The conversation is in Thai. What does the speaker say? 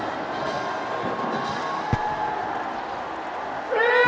เวรบัติสุภิกษ์